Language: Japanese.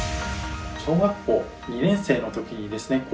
小学校２年生のときにですね